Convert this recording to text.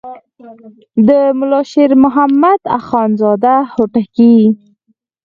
د ملا شیر محمد اخوندزاده هوتکی.